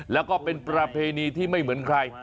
แล้วก็เป็นประเพณีที่ไม่เหมือนใคร